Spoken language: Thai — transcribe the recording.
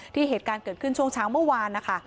เหตุการณ์เกิดขึ้นช่วงเช้าเมื่อวานนะคะ